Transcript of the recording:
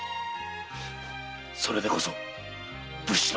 それでこそ武士の娘だ。